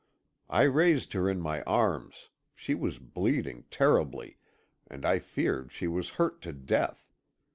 I raised her in my arms; she was bleeding terribly, and I feared she was hurt to death.